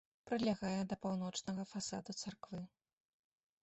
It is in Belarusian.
Прылягае да паўночнага фасаду царквы.